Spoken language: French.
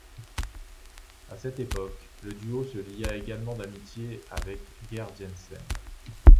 À cette époque, le duo se lia également d'amitié avec Geir Jenssen.